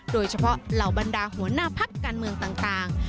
เหล่าบรรดาหัวหน้าพักการเมืองต่าง